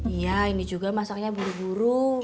iya ini juga masaknya buru buru